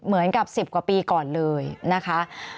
เหมือนกับ๑๐กว่าปีก่อนเลยนะคะ